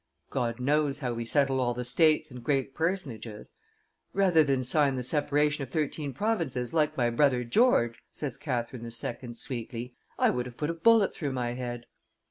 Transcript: God knows how we settle all the states and great personages. 'Rather than sign the separation of thirteen provinces, like my brother George,' says Catherine II. sweetly, 'I would have put a bullet through my head.